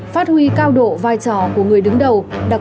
phát huy cao độ vai trò của người đứng đầu